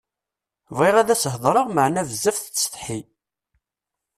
Bɣiɣ ad s-heḍṛeɣ meɛna bezzaf tettsetḥi.